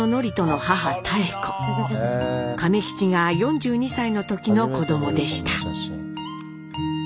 亀吉が４２歳の時の子どもでした。